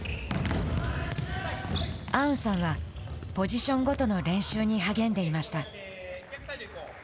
アウンさんはポジションごとの練習に励んでいました。